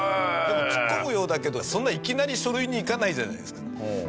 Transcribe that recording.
でもツッコむようだけどそんないきなり書類にいかないじゃないですか。